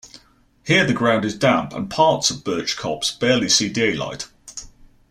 Here the ground is damp and parts of Birch Copse barely see daylight.